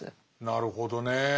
なるほどね。